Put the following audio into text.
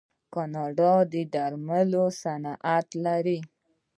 کاناډا د درملو صنعت لري.